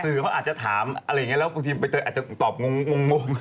สื่อพ่ออาจจะถามอะไรอย่างเงี้ยแล้วบางทีไปเตยอาจจะตอบงงงงงง